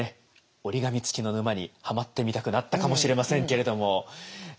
折り紙つきの沼にはまってみたくなったかもしれませんけれども。